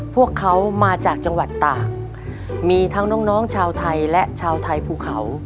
พวกเขามาจากจังหวัดตากมีทั้งน้องน้องชาวไทยและชาวไทยภูเขา